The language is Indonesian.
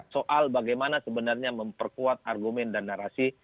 soal bagaimana sebenarnya memperkuat argumen dan narasi